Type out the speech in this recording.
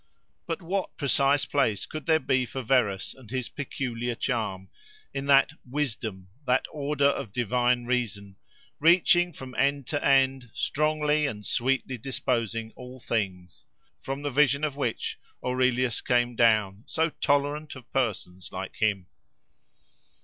But what precise place could there be for Verus and his peculiar charm, in that Wisdom, that Order of divine Reason "reaching from end to end, strongly and sweetly disposing all things," from the vision of which Aurelius came down, so tolerant of persons like him?